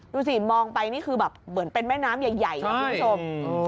ดูสิมองไปนี่คือแบบเหมือนเป็นแม่น้ำใหญ่นะคุณผู้ชม